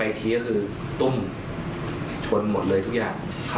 และยืนยันเหมือนกันว่าจะดำเนินคดีอย่างถึงที่สุดนะครับ